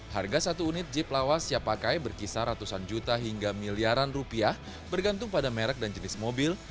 harga satu unit jeep lawas siap pakai berkisar ratusan juta hingga miliaran rupiah bergantung pada merek dan jenis mobil